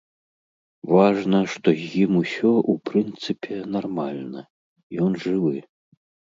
Важна, што з ім усё, у прынцыпе, нармальна, ён жывы.